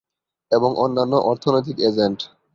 এবং অন্যান্য অর্থনৈতিক এজেন্ট।